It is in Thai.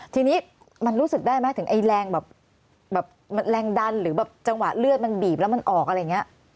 ทีนี้มันรู้สึกได้ไหมถึงไอ้แรงแบบแรงดันหรือแบบจังหวะเลือดมันบีบแล้วมันออกอะไรอย่างนี้